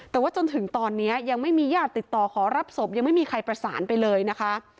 แต่ว่าจนถึงตอนนี้ยังไม่มีญาติติดต่อขอรับศพยังไม่มีใครประสานไปเลยนะคะ